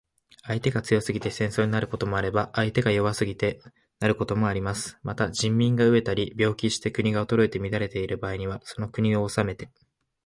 相手が強すぎて戦争になることもあれば、相手が弱すぎてなることもあります。また、人民が餓えたり病気して国が衰えて乱れている場合には、その国を攻めて